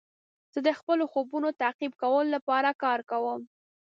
زه د خپلو خوبونو تعقیب کولو لپاره کار کوم.